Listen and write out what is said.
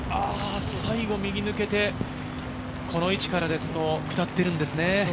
最後、右に抜けて、この位置からですと、下っているんですね。